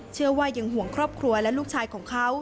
เชื่อว่ายังห่วงครอบครัวและลูกชายของเขา